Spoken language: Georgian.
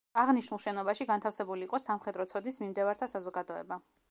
აღნიშნულ შენობაში განთავსებული იყო სამხედრო ცოდნის მიმდევართა საზოგადოება.